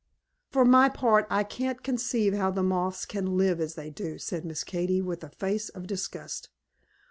"For my part, I can't conceive how the Moths can live as they do", said Miss Katy with a face of disgust.